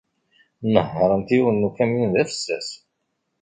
Nehhṛent yiwen n ukamyun d afessas.